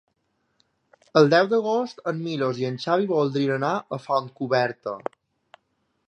El deu d'agost en Milos i en Xavi voldrien anar a Fontcoberta.